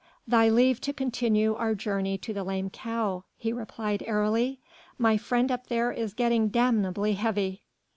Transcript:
"Thy leave to continue our journey to the 'Lame Cow,'" he replied airily; "my friend up there is getting damnably heavy."